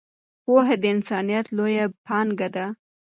پوهه د انسانیت لویه پانګه ده.